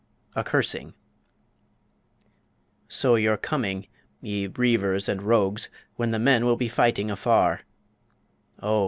A CURSING So you're coming, ye reivers and rogues, When the men will be fighting afar Oh!